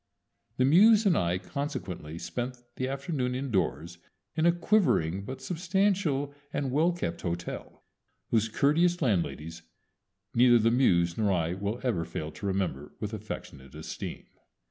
The Muse and I consequently spent the afternoon indoors in a quivering but substantial and well kept hotel, whose courteous landladies neither the Muse nor I will ever fail to remember with affectionate esteem.